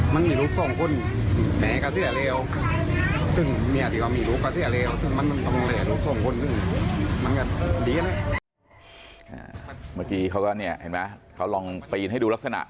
เมื่อกี้เขาก็เนี่ยเห็นไหมเขาลองปีนให้ดูลักษณะ